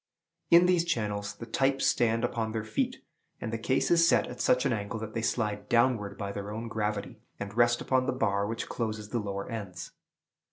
In these channels, the types stand upon their feet, and the case is set at such an angle that they slide downward by their own gravity, and rest upon the bar which closes the lower ends.